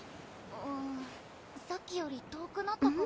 ・うん・さっきより遠くなったかも。